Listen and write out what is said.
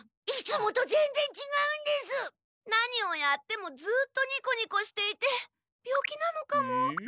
何をやってもずっとニコニコしていて病気なのかも。